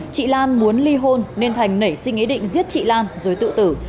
chị lan muốn ly hôn nên thành nảy sinh ý định giết chị lan rồi tự tử